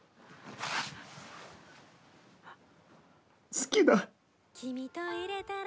好きだ。